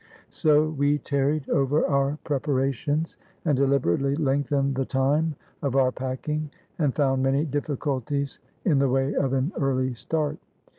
So we tarried over our preparations and deliberately lengthened the time of our packing, and found many difficulties in the way of an early start.